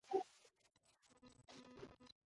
It is one of deep import.